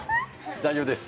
大丈夫です。